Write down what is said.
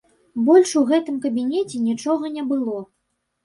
Больш у гэтым кабінеце нічога не было.